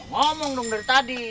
ngomong dong dari tadi